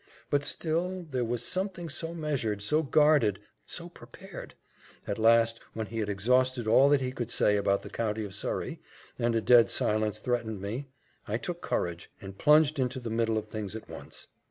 But still there was something so measured so guarded so prepared! At last, when he had exhausted all that he could say about the county of Surrey, and a dead silence threatened me, I took courage, and plunged into the middle of things at once.